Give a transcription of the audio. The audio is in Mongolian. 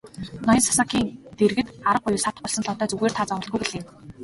Ноён Сасакийн дэргэд арга буюу саатах болсон Лодой "Зүгээр та зоволтгүй" гэлээ.